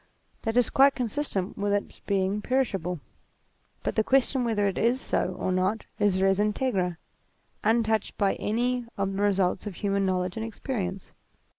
That is quite consistent with its being perishable ; but the question whether it is so or not is res Integra, untouched by any of the results of human knowledge and experience.